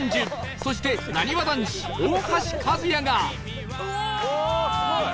そしてなにわ男子大橋和也が